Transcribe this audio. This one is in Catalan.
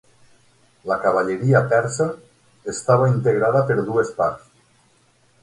La cavalleria persa estava integrada per dues parts.